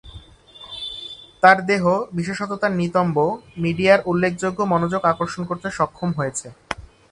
তার দেহ, বিশেষত তার নিতম্ব, মিডিয়ার উল্লেখযোগ্য মনোযোগ আকর্ষণ করতে সক্ষম হয়েছে।